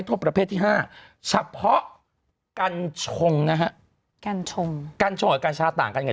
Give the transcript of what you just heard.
โทษประเภทที่๕เฉพาะกันชงนะฮะกันชงกันชงกันชาต่างกัน